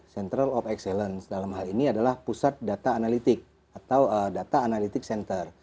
central of excellence dalam hal ini adalah pusat data analitik atau data analitik center